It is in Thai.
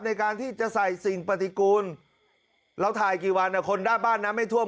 ในการที่จะใส่สิ่งปฏิกูลเราถ่ายกี่วันคนหน้าบ้านน้ำไม่ท่วม